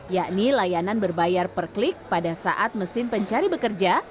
yakni layanan berbayar per klik pada saat mesin pencari bekerja